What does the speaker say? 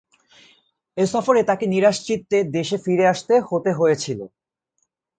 এ সফরে তাকে নিরাশ চিত্তে দেশে ফিরে আসতে হতে হয়েছিল।